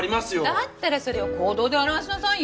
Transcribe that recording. だったらそれを行動で表しなさいよ。